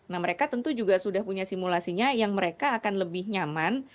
nah mereka tentu juga sudah punya simulasinya yang mereka akan lebih nyaman